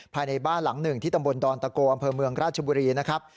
ภายในบ้านหลังหนึ่งที่ตำบลดอนตะโกอำเภอเมืองราชบุรีนะครับ